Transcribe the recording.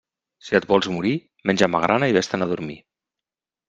Si et vols morir, menja magrana i vés-te'n a dormir.